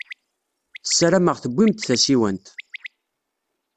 Ssarameɣ tewwim-d tasiwant.